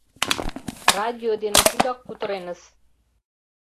Радио дене тудак кутырен-ыс.